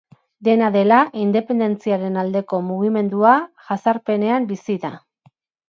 Dena dela, independentziaren aldeko mugimendua jazarpenean bizi da.